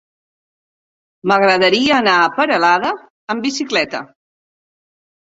M'agradaria anar a Peralada amb bicicleta.